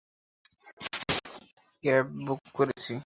Cab book করেছি।